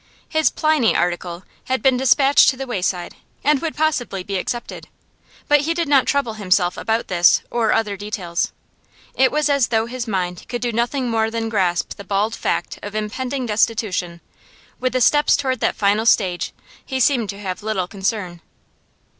His 'Pliny' article had been despatched to The Wayside, and would possibly be accepted. But he did not trouble himself about this or other details; it was as though his mind could do nothing more than grasp the bald fact of impending destitution; with the steps towards that final stage he seemed to have little concern.